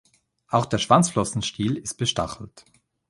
Auch der Schwanzflossenstiel ist bestachelt.